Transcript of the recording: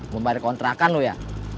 membarik kontrakan lo ya